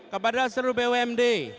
kepada seluruh bumd